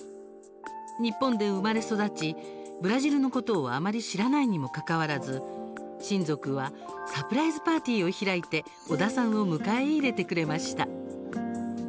日本で生まれ育ちブラジルのことをあまり知らないにもかかわらず親族はサプライズパーティーを開いて小田さんを迎え入れてくれました。